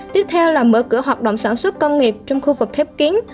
tiếp theo là mở cửa hoạt động sản xuất công nghiệp trong khu vực khép kín